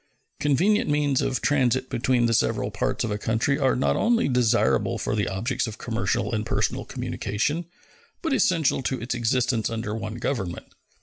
Convenient means of transit between the several parts of a country are not only desirable for the objects of commercial and personal communication, but essential to its existence under one government.